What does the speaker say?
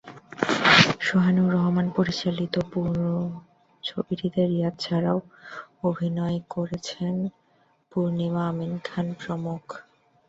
সোহানুর রহমান পরিচালিত ছবিটিতে রিয়াজ ছাড়াও অভিনয় করেছেন পূর্ণিমা, আমিন খান প্রমুখ।